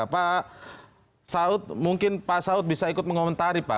pak saud mungkin pak saud bisa ikut mengomentari pak